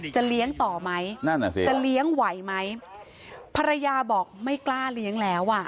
เลี้ยงต่อไหมนั่นอ่ะสิจะเลี้ยงไหวไหมภรรยาบอกไม่กล้าเลี้ยงแล้วอ่ะ